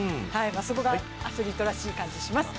そこがアスリートらしい感じがします。